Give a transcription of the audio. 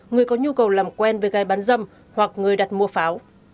người có nhu cầu làm quen với gái bán dâm hoặc người đặt mua pháo